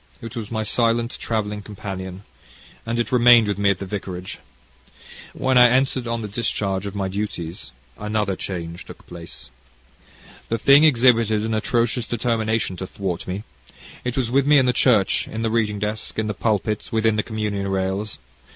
It was my silent travelling companion, and it remained with me at the vicarage. When I entered on the discharge of my duties, another change took place. The thing exhibited an atrocious determination to thwart me. It was with me in the church in the reading desk in the pulpit within the communion rails.